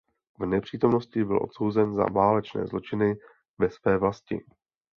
V nepřítomnosti byl odsouzen za válečné zločiny ve své vlasti.